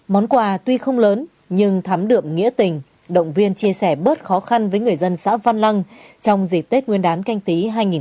món quà tuy không lớn nhưng thắm đượm nghĩa tình động viên chia sẻ bớt khó khăn với người dân xã văn lăng trong dịp tết nguyên đán canh tí hai nghìn hai mươi